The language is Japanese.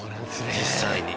実際に。